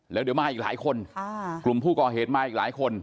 แล้วเดี๋ยวมาอีกหลายคนกลุ่มผู้ก่อเหตุมาอีกหลายคน